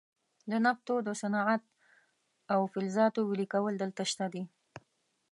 د نفتو د صنعت او فلزاتو ویلې کول دلته شته دي.